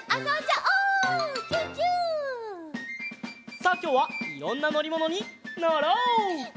さあきょうはいろんなのりものにのろう！